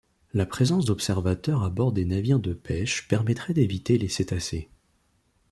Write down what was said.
La présence d'observateurs à bord des navires de pêche permettrait d'éviter les cétacés.